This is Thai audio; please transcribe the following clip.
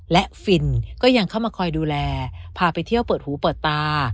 และฟินก็ยังเข้ามาคอยดูแลพาไปเที่ยวเปิดหูเปิดตา